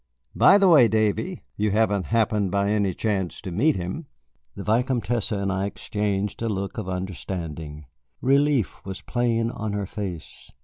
"By the way, Davy, you haven't happened by any chance to meet him?" The Vicomtesse and I exchanged a look of understanding. Relief was plain on her face.